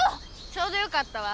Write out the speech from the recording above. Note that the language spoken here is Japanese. ちょうどよかったわ。